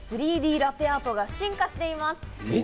３Ｄラテアートが進化しています。